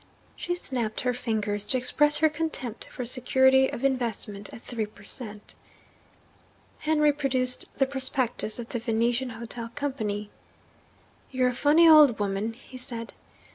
She snapped her fingers to express her contempt for security of investment at three per cent. Henry produced the prospectus of the Venetian Hotel Company. 'You're a funny old woman,' he said.